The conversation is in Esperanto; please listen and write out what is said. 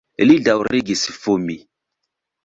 Li daŭrigis fumi.